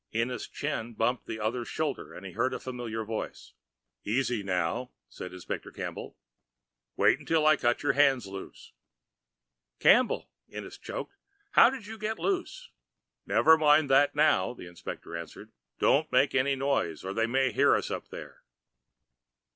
Ennis' chin bumped the other's shoulder, and he heard a familiar voice. "Easy, now," said Inspector Campbell. "Wait till I cut your hands loose." "Campbell!" Ennis choked. "How did you get loose?" "Never mind that now," the inspector answered. "Don't make any noise, or they may hear us up there."